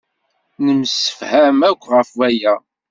Nemsefham akk ɣef waya.